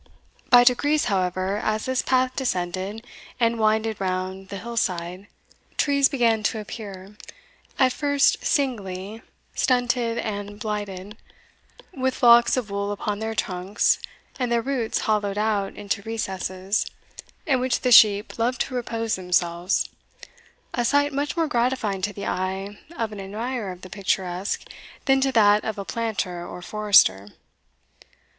By degrees, however, as this path descended, and winded round the hillside, trees began to appear, at first singly, stunted, and blighted, with locks of wool upon their trunks, and their roots hollowed out into recesses, in which the sheep love to repose themselves a sight much more gratifying to the eye of an admirer of the picturesque than to that of a planter or forester.